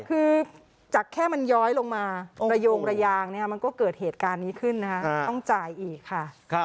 คือจากแค่มันย้อยลงมาระโยงระยางมันก็เกิดเหตุการณ์นี้ขึ้นนะคะต้องจ่ายอีกค่ะ